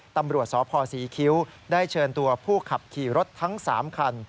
ตำรวจสพศรีคิ้วได้เชิญตัวผู้ขับขี่รถทั้ง๓คัน